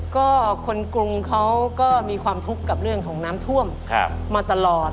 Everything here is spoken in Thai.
ก็คนกรุงเขาก็มีความทุกข์กับเรื่องของน้ำท่วมมาตลอด